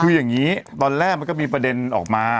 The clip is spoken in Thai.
คืออย่างนี้ตอนแรกมันก็มีประเด็นออกมา